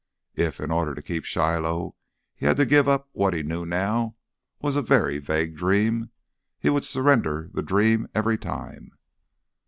If, in order to keep Shiloh, he had to give up what he knew now was a very vague dream—he would surrender the dream every time.